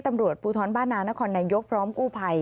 ตำรวจภูทรบ้านนานครนายกพร้อมกู้ภัย